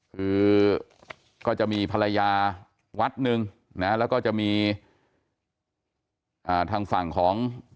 คือก็จะมีภรรยาวัดหนึ่งนะแล้วก็จะมีทางฝั่งของ